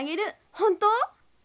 本当？